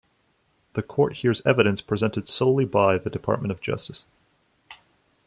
The court hears evidence presented solely by the Department of Justice.